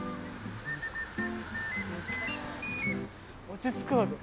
落ち着くわ。